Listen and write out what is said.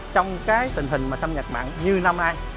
trong cái tình hình mà xâm nhập mặn như năm nay